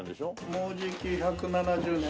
もうじき１７０年。